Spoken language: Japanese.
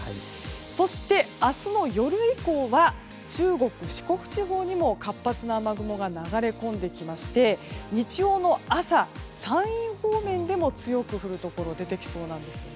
そして明日の夜以降は中国・四国地方にも活発な雨雲が流れ込んできまして日曜の朝、山陰方面でも強く降るところが出てきそうです。